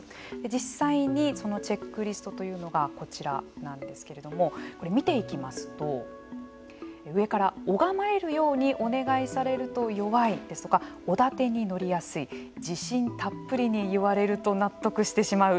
実際にそのチェックリストというのがこちらなんですけれども見ていきますと上から、拝まれるようにお願いされると弱いですとかおだてに乗りやすい自信たっぷりに言われると納得してしまう。